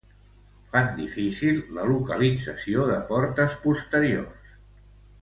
Fan difícil la localització de portes posteriors